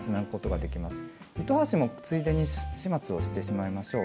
糸端もついでに始末をしてしまいましょう。